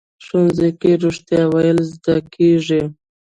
ښوونځی کې رښتیا ویل زده کېږي